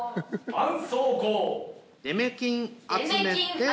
デメキン集めて。